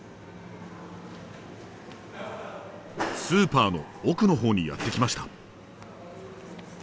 スーパーの奥のほうにやって来ました。